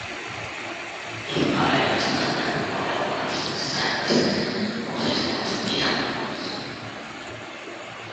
Vispārējo standartu palielināšanas sekas būs izmaksu pieaugums.